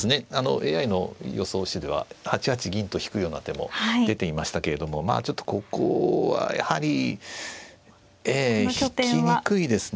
ＡＩの予想手では８八銀と引くような手も出ていましたけれどもまあちょっとここはやはりええ引きにくいですね。